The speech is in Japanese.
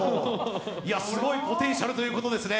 すごいポテンシャルってことですね。